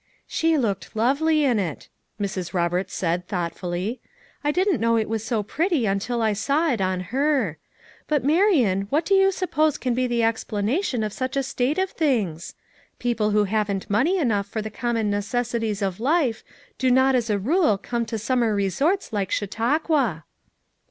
"She looked lovely in it," Mrs. Roberts said thoughtfully. "I didn't know it was so pretty until I saw it on her. But, Marian, what do you suppose can be the explanation of such a state of things? People who haven't money enough for the common necessities of life do not as a rule come to summer resorts like Chau tauqua."